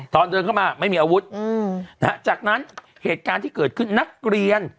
ตอนเดินเข้ามาไม่มีอาวุธจากนั้นเหตุการณ์ที่เกิดขึ้นนักเรียน